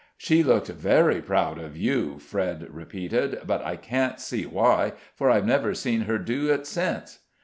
"She looked very proud of you," Fred repeated; "but I can't see why, for I've never seen her do it since."